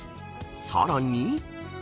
［さらに］